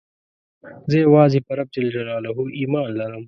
زه یوازي په رب ﷻ ایمان لرم.